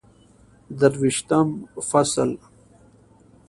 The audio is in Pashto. درویشتم فصل